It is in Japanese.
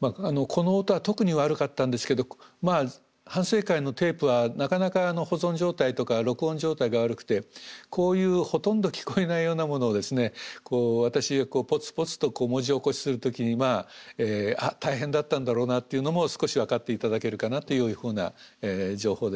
この音は特に悪かったんですけど反省会のテープはなかなか保存状態とか録音状態が悪くてこういうほとんど聞こえないようなものをですね私がぽつぽつと文字起こしする時に大変だったんだろうなっていうのも少し分かって頂けるかなというふうな情報でした。